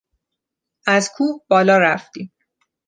از کوه بالا رفتیم.